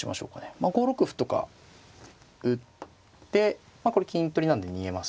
まあ５六歩とか打ってまあこれ金取りなんで逃げますね。